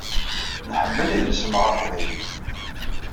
Nḥemmel idles-nneɣ aqbayli.